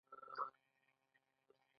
د مکتوب نیټه او رسیدو نیټه لیکل کیږي.